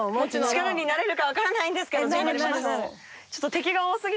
力になれるか分からないんですけど。